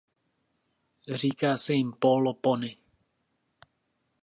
Říká se jim Pólo pony.